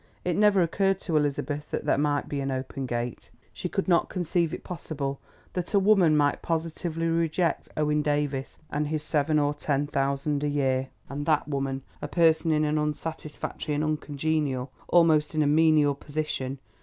It never occurred to Elizabeth that there might be an open gate. She could not conceive it possible that a woman might positively reject Owen Davies and his seven or ten thousand a year, and that woman a person in an unsatisfactory and uncongenial, almost in a menial position.